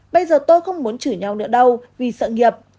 bây giờ tôi không muốn chửi nhau nữa đâu vì sợ nghiệp